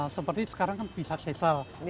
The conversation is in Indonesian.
seperti sekarang kan bisa sesal